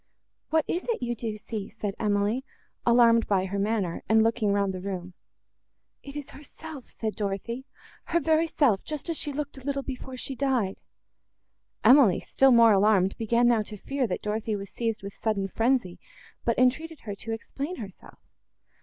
"What is it you do see?" said Emily, alarmed by her manner, and looking round the room. "It is herself," said Dorothée, "her very self! just as she looked a little before she died!" Emily, still more alarmed, began now to fear, that Dorothée was seized with sudden frenzy, but entreated her to explain herself.